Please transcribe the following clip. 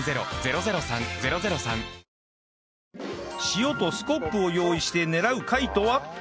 塩とスコップを用意して狙う貝とは？